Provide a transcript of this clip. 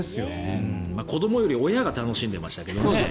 子どもより親が楽しんでいましたね。